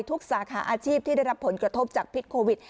สาขาอาชีพที่ได้รับผลกระทบจากพิษโควิด